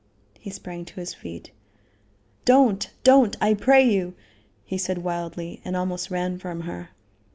He sprang to his feet. "Don't! don't! I pray you," he said wildly, and almost ran from her.